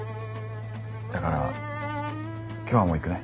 だから今日はもう行くね。